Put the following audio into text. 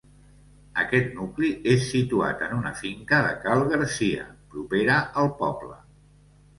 Aquest nucli és situat en una finca de Cal Garcia propera al poble.